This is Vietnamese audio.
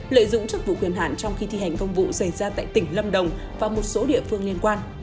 lợi dụng chức vụ quyền hạn trong khi thi hành công vụ xảy ra tại tỉnh lâm đồng và một số địa phương liên quan